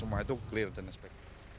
semua itu clear dan aspek